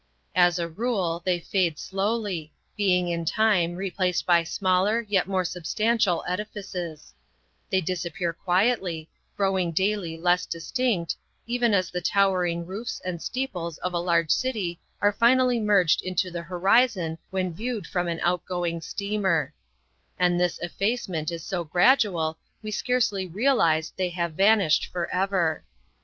As a rule, they fade slowly, being in time replaced by smaller but more substantial edifices; they disappear quietly, growing daily less distinct, even as the towering roofs and steeples of a large city are finally merged into the horizon when viewed from an outgoing steamer; and this effacement is so gradual we scarcely realize they have vanished forever.